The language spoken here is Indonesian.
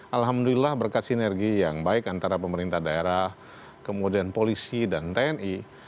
alhamdulillah berkat sinergi yang baik antara pemerintah daerah kemudian polisi dan tni